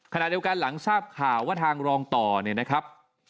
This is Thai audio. ขณะเดียวกันหลังทราบข่าวว่าทางรองต่อเนี่ยนะครับ